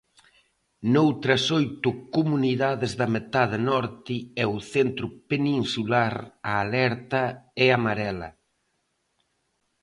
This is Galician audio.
Noutras oito comunidade da metade norte e o centro peninsular a alerta é amarela.